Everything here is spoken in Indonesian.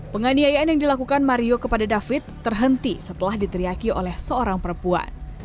penganiayaan yang dilakukan mario kepada david terhenti setelah diteriaki oleh seorang perempuan